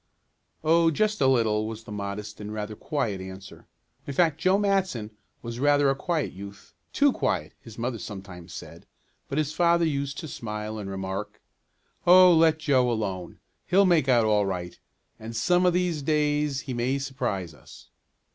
"Oh, just a little," was the modest and rather quiet answer. In fact Joe Matson was rather a quiet youth, too quiet, his mother sometimes said, but his father used to smile and remark: "Oh, let Joe alone. He'll make out all right, and some of these days he may surprise us."